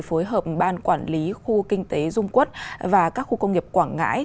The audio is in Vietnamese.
phối hợp ban quản lý khu kinh tế dung quốc và các khu công nghiệp quảng ngãi